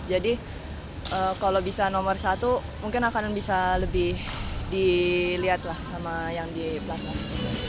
jadi kalau bisa nomor satu mungkin akan bisa lebih dilihat lah sama yang di pelatnas